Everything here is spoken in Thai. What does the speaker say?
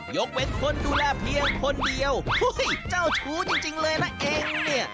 ยกเว้นคนดูแลเพียงคนเดียวเจ้าชู้จริงเลยนะเองเนี่ย